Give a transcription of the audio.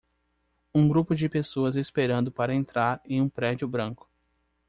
Um grupo de pessoas esperando para entrar em um prédio branco.